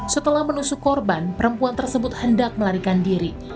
setelah menusuk korban perempuan tersebut hendak melarikan diri